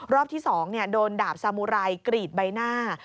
รอบที่๒โดนดาบสามุไรกรีดใบหน้า